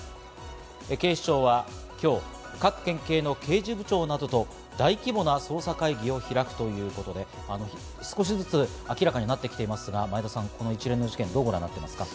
警視庁は今日、各県警の刑事部長などと、大規模な捜査会議を開くということで、少しずつ明らかになってきていますが、前田さん、この一連の事件、どうご覧になっていますか？